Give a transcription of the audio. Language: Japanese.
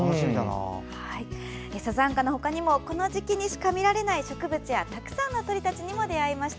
サザンカのほかにもこの時期にしか見られない植物やたくさんの鳥たちにも出会いました。